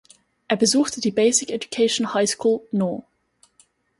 Er besuchte die Basic Education High School No.